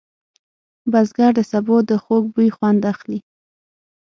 بزګر د سبو د خوږ بوی خوند اخلي